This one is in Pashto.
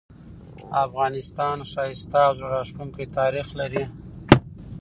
افغانستان ښایسته او زړه راښکونکې تاریخ لري